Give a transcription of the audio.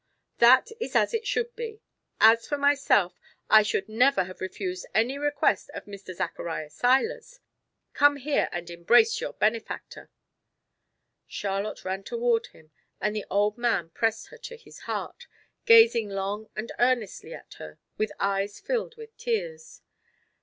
"That is as it should be! As for myself, I should never have refused any request of Mr. Zacharias Seiler's! Come here and embrace your benefactor." Charlotte ran toward him and the old man pressed her to his heart, gazing long and earnestly at her, with eyes filled with tears.